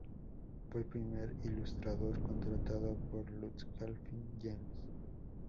Fue el primer ilustrador contratado por Lucasfilm Games.